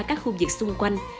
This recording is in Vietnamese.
các khu vực xung quanh